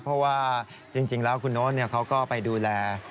เพราะว่าจริงแล้วคุณโน๊ตเขาก็ไปดูแล